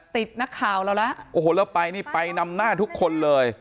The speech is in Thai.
ติดนักข่าวเราแล้วโอ้โหแล้วไปนี่ไปนำหน้าทุกคนเลย